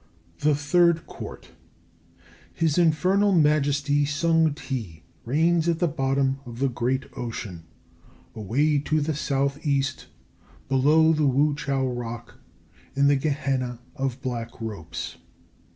THE THIRD COURT. His Infernal Majesty Sung Ti reigns at the bottom of the great Ocean, away to the south east, below the Wu chiao rock, in the Gehenna of Black Ropes.